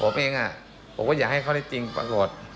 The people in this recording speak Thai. ผมเองอ่ะอยากให้เขาได้จริงปรักกต